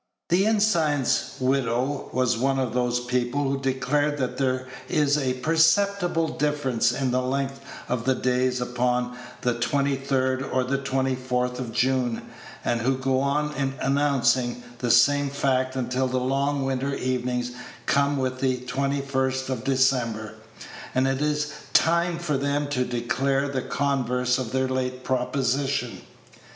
The ensign's widow was one of those people who declare that there is a perceptible difference in the length of the days upon the twenty third or twenty fourth of June, and who go on announcing the same fact until the long winter evenings come with the twenty first of December, and it is time for them to declare the converse of their late proposition.